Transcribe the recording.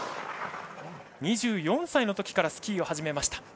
２４歳のときからスキーを始めました。